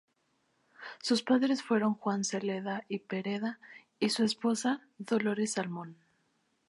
Sus padres fueron Juan Celada y Pereda y su esposa, Dolores Salmón.